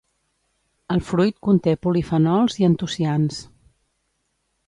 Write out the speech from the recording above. El fruit conté polifenols i antocians.